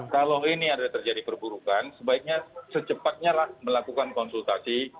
kalau ini ada terjadi perburukan sebaiknya secepatnyalah melakukan konsultasi